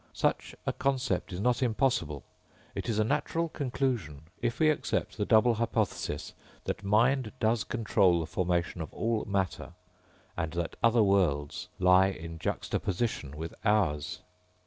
Such a concept is not impossible. It is a natural conclusion if we accept the double hypothesis: that mind does control the formation of all matter; and that other worlds lie in juxtaposition with ours.